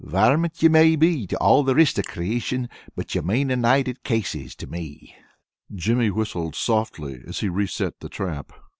"Varmint you may be to all the rist of creation, but you mane a night at Casey's to me." Jimmy whistled softly as he reset the trap.